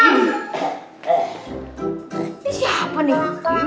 ini siapa nih